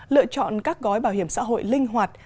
lựa chọn các gói bảo hiểm xã hội linh hoạt